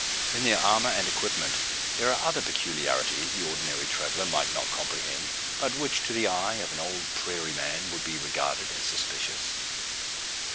In their armour, and equipment there are other peculiarities the ordinary traveller might not comprehend, but which to the eye of an old prairie man would be regarded as suspicious.